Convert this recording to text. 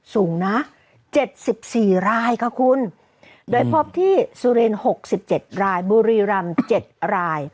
สูงนะเจ็ดสิบสี่รายค่ะคุณโดยพบที่สุรีนหกสิบเจ็ดรายบุรีรัมณ์เจ็ดราย